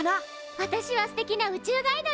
わたしは「すてきな宇宙ガイドに」！